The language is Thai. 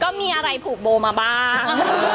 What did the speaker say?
ก็มีอะไรผูกโบมาบ้าง